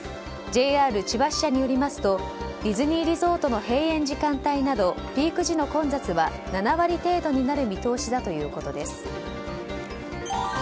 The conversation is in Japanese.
ＪＲ千葉支社によりますとディズニーリゾートの閉園時間帯などピーク時の混雑は７割程度になる見通しだということです。